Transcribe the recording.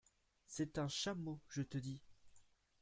C’est un chameau, je te dis !